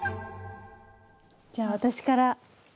じゃあ私から。